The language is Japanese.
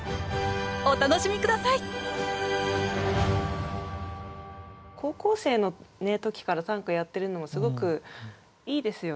お楽しみ下さい高校生の時から短歌やってるのもすごくいいですよね。